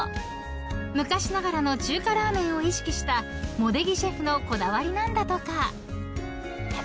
昔ながらの中華ラーメンを意識した茂出木シェフのこだわりなんだとか］